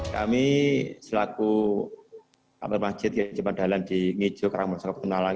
kami selaku kamil masjid jepang dalam di ngejo karangmonso kapetunalang